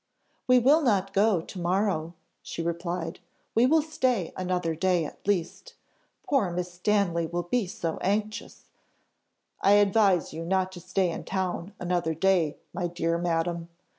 "We will not go to morrow," she replied. "We will stay another day at least. Poor Miss Stanley will be so anxious " "I advise you not to stay in town another day, my dear madam.